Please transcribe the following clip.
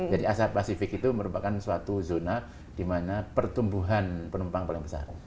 jadi asap pasifik itu merupakan suatu zona dimana pertumbuhan penumpang paling besar